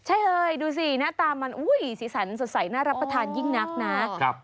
ใช่เลยดูสิหน้าตามันสีสันสดใสน่ารับประทานยิ่งนักนะ